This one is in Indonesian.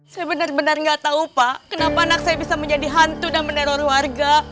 saya benar benar nggak tahu pak kenapa anak saya bisa menjadi hantu dan meneror warga